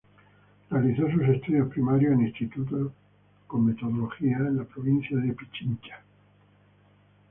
Realizó sus estudios primarios en institutos con metodología en la provincia de Pichincha.